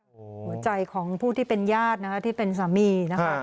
หัวใจของผู้ที่เป็นญาตินะคะที่เป็นสามีนะคะ